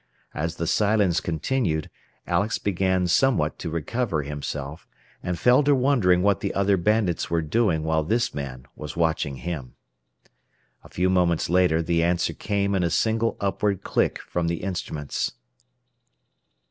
As the silence continued, Alex began somewhat to recover himself, and fell to wondering what the other bandits were doing while this man was watching him. A few moments later the answer came in a single upward click from the instruments.